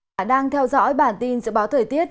và đang theo dõi bản tin dự báo thời tiết